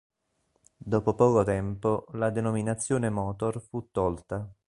Dopo poco tempo la denominazione “Motor” fu tolta.